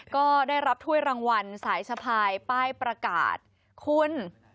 ก็ได้รับถ้วยรางวัลสายสะพายป้ายประกาศคุณ